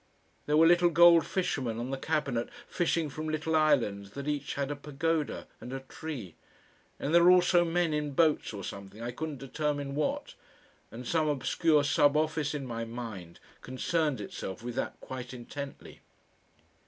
There were little gold fishermen on the cabinet fishing from little islands that each had a pagoda and a tree, and there were also men in boats or something, I couldn't determine what, and some obscure sub office in my mind concerned itself with that quite intently.